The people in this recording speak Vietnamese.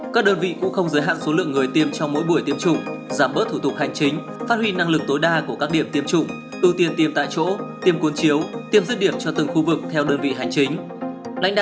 các đơn vị cũng không giới hạn số lượng người tiêm trong mỗi buổi tiêm chủng giảm bớt thủ tục hành chính phát huy năng lực tối đa của các điểm tiêm chủng ưu tiên tiêm tại chỗ tiêm côn chiếu tiêm rứt điểm cho từng khu vực theo đơn vị hành chính